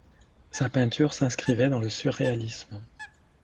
Sa peinture s'inscrivait dans le surréalisme.